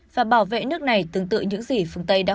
và bảo vệ nước này tương tự những gì phương tây đã